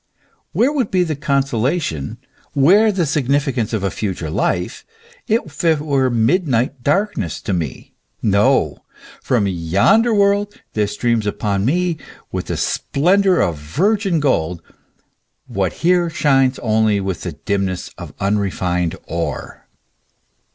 Where would be the consolation, where the sig nificance of a future life, if it were midnight darkness to me ? No! from yonder world there streams upon me with the splen dour of virgin gold, what here shines only with the dimness of unrefined ore.